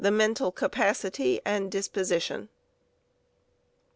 MENTAL CAPACITY AND DISPOSITION.